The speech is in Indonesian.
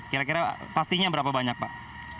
kira kira pastinya berapa banyak pak